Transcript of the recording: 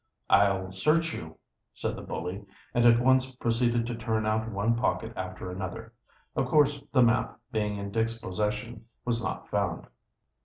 "I'll search you," said the bully, and at once proceeded to turn out one pocket after another. Of course the map, being in Dick's possession, was not found.